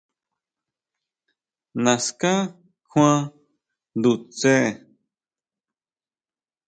¿Naská kjuan ndutsje?